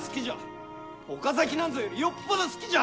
岡崎なんぞよりよっぽど好きじゃ！